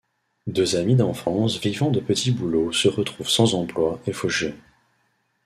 Deux amis d'enfance vivant de petits boulots se retrouvent sans emploi et fauchés.